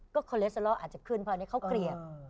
ก็คอเลสเตอรอลอาจจะขึ้นเพราะอันนี้เขาเกลียด